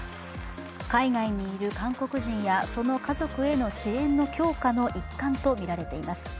海外にいる韓国人やその家族への支援の強化の一環とみられています。